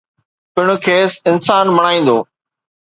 ، پڻ کيس انسان بڻائيندو.